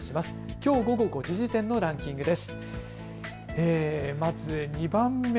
きょう午後５時時点のランキングです。